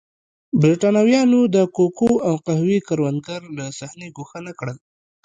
برېټانویانو د کوکو او قهوې کروندګر له صحنې ګوښه نه کړل.